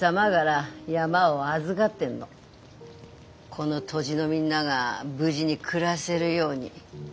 この土地のみんなが無事に暮らせるように。